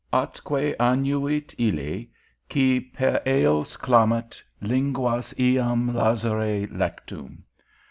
ATQUE ANNUIT ILLE, QUI, PER EOS, CLAMAT, LINQUAS JAM, LAZARE, LECTUM.